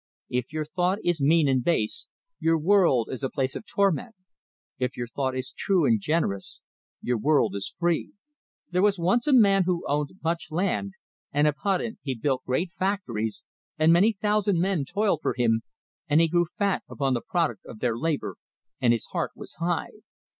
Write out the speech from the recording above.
If your thought is mean and base, your world is a place of torment; if your thought is true and generous, your world is free. "There was once a man who owned much land, and upon it he built great factories, and many thousand men toiled for him, and he grew fat upon the product of their labor, and his heart was high.